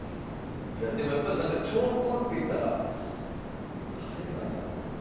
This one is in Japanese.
いやでもやっぱなんか長考っていったら誰なんやろう？